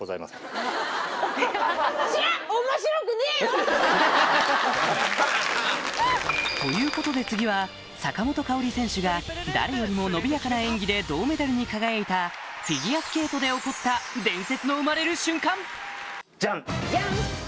えっ。ということで次は坂本花織選手が誰よりも伸びやかな演技で銅メダルに輝いたフィギュアスケートで起こったジャン！